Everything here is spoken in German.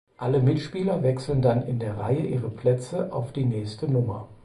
Alle Mitspieler wechseln dann in der Reihe ihre Plätze auf die nächste Nummer.